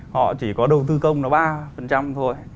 họ chỉ có đầu tư công là ba thôi